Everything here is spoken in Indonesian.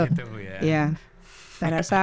oh gitu bu ya